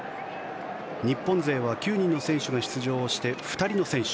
日本勢は９人の選手が出場して２人の選手